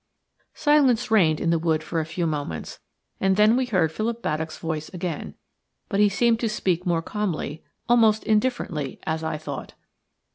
Silence reigned in the wood for a few moments, and then we heard Philip Baddock's voice again, but he seemed to speak more calmly, almost indifferently, as I thought.